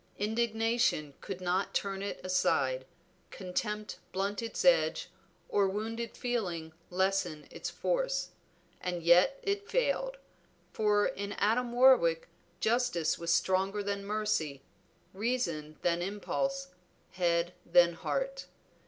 Indignation could not turn it aside, contempt blunt its edge, or wounded feeling lessen its force; and yet it failed: for in Adam Warwick justice was stronger than mercy, reason than impulse, head than heart.